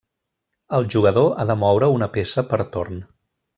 El jugador ha de moure una peça per torn.